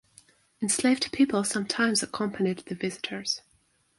Enslaved people sometimes accompanied the visitors.